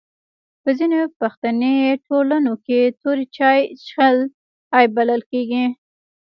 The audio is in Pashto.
په ځینو پښتني ټولنو کي توري چای چیښل عیب بلل کیږي.